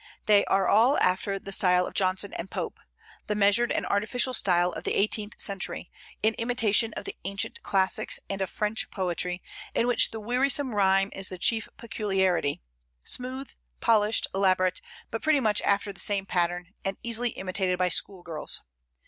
They are all after the style of Johnson and Pope; the measured and artificial style of the eighteenth century, in imitation of the ancient classics and of French poetry, in which the wearisome rhyme is the chief peculiarity, smooth, polished, elaborate, but pretty much after the same pattern, and easily imitated by school girls.